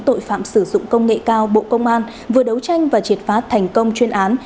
tội phạm sử dụng công nghệ cao bộ công an vừa đấu tranh và triệt phá thành công chuyên án